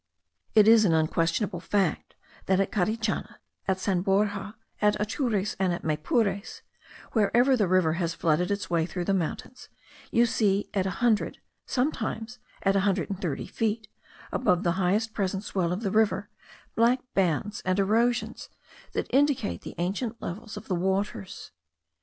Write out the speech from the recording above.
It is an unquestionable fact that at Carichana, at San Borja, at Atures, and at Maypures, wherever the river has forced its way through the mountains, you see at a hundred, sometimes at a hundred and thirty feet, above the highest present swell of the river, black bands and erosions, that indicate the ancient levels of the waters.